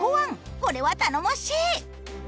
これは頼もしい。